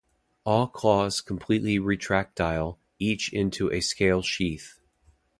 All claws completely retractile, each into a scale sheath.